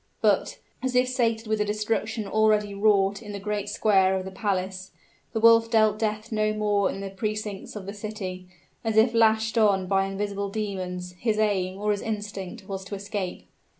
But, as if sated with the destruction already wrought in the great square of the palace, the wolf dealt death no more in the precincts of the city; as if lashed on by invisible demons, his aim, or his instinct, was to escape.